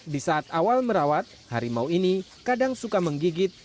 di saat awal merawat harimau ini kadang suka menggigit